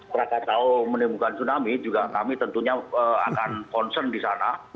krakatau menimbulkan tsunami juga kami tentunya akan concern di sana